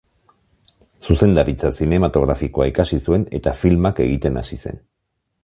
Zuzendaritza zinematografikoa ikasi zuen eta filmak egiten hasi zen.